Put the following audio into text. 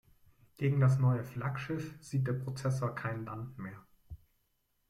Gegen das neue Flaggschiff sieht der Prozessor kein Land mehr.